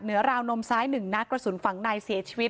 เหนือราวนมซ้าย๑นักกระสุนฝังนายเสียชีวิต